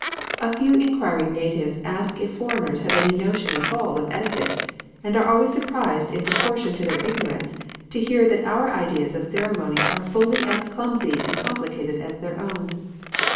A few inquir ing natives ask if foreigners have any notion at all of etiquette, and are always surprised in proportion to their ignorance to hear that our ideas of ceremony are fully as clumsy and complicated as their own.